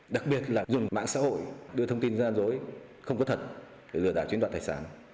đặc biệt là dùng mạng xã hội đưa thông tin gian dối không có thật để lừa đảo chiếm đoạt tài sản